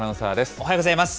おはようございます。